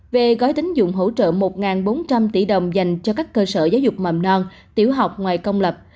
về gói tính dụng hỗ trợ một bốn trăm linh tỷ đồng dành cho các cơ sở giáo dục mầm non tiểu học ngoài công lập